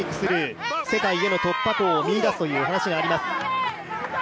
世界への突破口を見いだすという話があります。